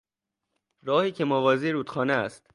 راهی که موازی رودخانه است